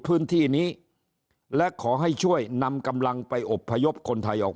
พื้นที่นี้และขอให้ช่วยนำกำลังไปอบพยพคนไทยออก